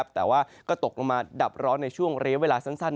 แต่ว่าก็ตกลงมาดับร้อนในช่วงระยะเวลาสั้น